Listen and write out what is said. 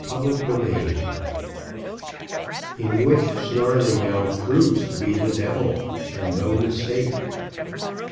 Chapter XXII In which Snarleyyow proves to be the devil, and no mistake.